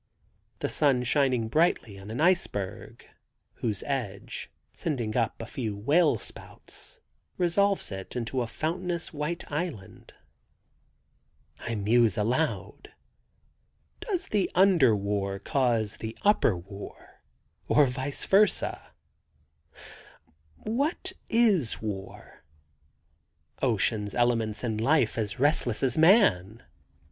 The sun shining brightly on an iceberg, whose edge, sending up a few whale spouts, resolves it into a fountainous white island. I muse aloud! "Does the under war cause the upper war, or vice versa? What is war? Ocean's elements and life as restless as man.